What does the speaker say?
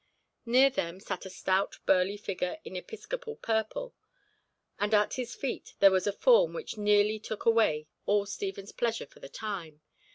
Near them sat a stout burly figure in episcopal purple, and at his feet there was a form which nearly took away all Stephen's pleasure for the time.